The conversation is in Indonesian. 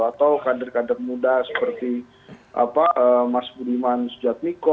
atau kader kader muda seperti mas budiman sujadmiko